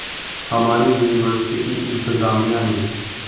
ہماری یونیورسٹی انتظامیہ نے